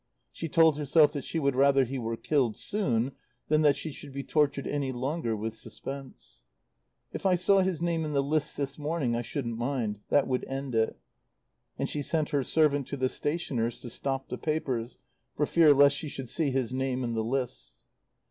She told herself that she would rather he were killed soon than that she should be tortured any longer with suspense. "If I saw his name in the lists this morning I shouldn't mind. That would end it." And she sent her servant to the stationer's to stop the papers for fear lest she should see his name in the lists.